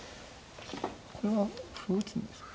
これは歩を打つんですか。